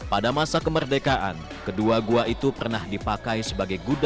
pada masa kemerdekaan kedua gua itu pernah dipakai sebagai gudang mesiu